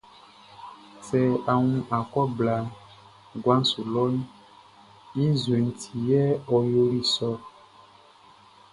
Sɛ a wun akɔ blaʼn guaʼn su lɔʼn, i nzuɛnʼn ti yɛ ɔ yoli sɔ ɔ.